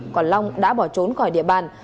còn long đã bỏ trốn khỏi địa bàn